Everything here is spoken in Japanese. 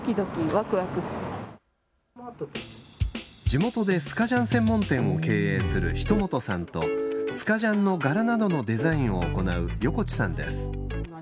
地元でスカジャン専門店を経営する一本さんとスカジャンの柄などのデザインを行う横地さんです。